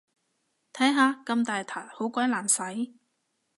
睇下，咁大撻好鬼難洗